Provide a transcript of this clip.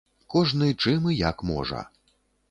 Кожны чым і як можа.